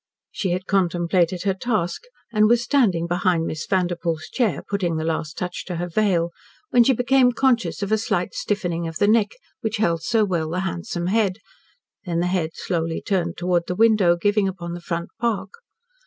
She had contemplated her task, and was standing behind Miss Vanderpoel's chair, putting the last touch to her veil, when she became conscious of a slight stiffening of the neck which held so well the handsome head, then the head slowly turned towards the window giving upon the front park.